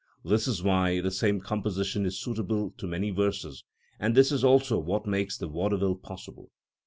This is why the same composition is suitable to many verses; and this is also what makes the vaudeville possible.